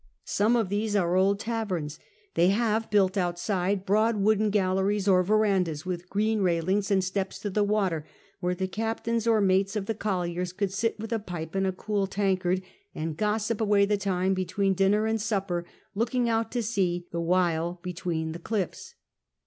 Some of these are old taverns ; they have, built outside, broad wooden galleries or verandahs, with green railings, and steps to the w'atcr, where the captains or mates of the colliers could sit with a pipe and a cool tankard, and gossip away the time between dinner and supper, looking out to sea the wdiile between the cliffs.